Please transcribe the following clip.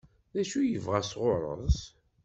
D acu i yebɣa sɣur-s?